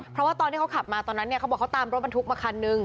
เพราะว่าตอนที่เขาขับมาตอนนั้นเนี่ยเขาบอกเขาตามรถบรรทุกมาคันนึง